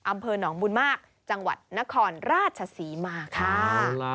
อำเภอหนองบุญมากจังหวัดนครราชศรีมาค่ะ